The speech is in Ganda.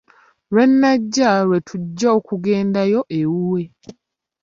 Lwe nnajja lwe tujja okugendayo ewuwe.